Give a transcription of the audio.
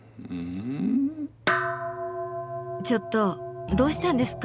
ちょっとどうしたんですか？